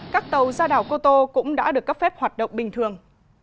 các tàu ra đảo cô tô cũng đã được cấp phép hoạt động bình thường